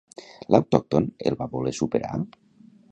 L'autòcton el va voler superar?